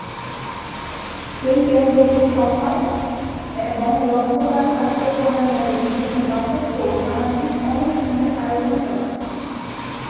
এই কেন্দ্রটি সভা এবং রক্তদান কার্যক্রমের মতো বিভিন্ন দাতব্য এবং সামাজিক অনুষ্ঠানের আয়োজন করে।